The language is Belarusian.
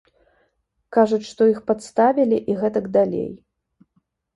Кажуць, што іх падставілі і гэтак далей.